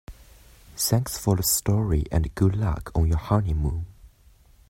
Thanks for the story and good luck on your honeymoon.